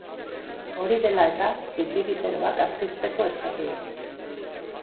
Hori dela eta, titiriteroak aske uzteko eskatu du.